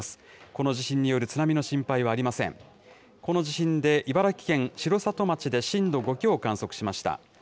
この地震で茨城県城里町で震度５強を観測しました。